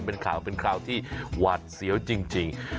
เป็นข่าวเป็นข่าวที่หวาดเสียวจริง